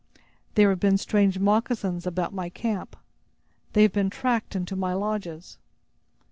"There have been strange moccasins about my camp. They have been tracked into my lodges."